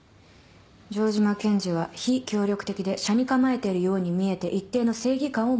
城島検事は非協力的で斜に構えているように見えて一定の正義感を持っている。